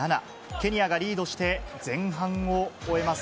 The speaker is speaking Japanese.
ケニアがリードして、前半を終えます。